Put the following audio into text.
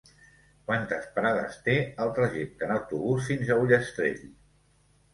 Quantes parades té el trajecte en autobús fins a Ullastrell?